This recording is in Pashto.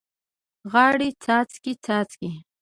غواړي څاڅکي، څاڅکي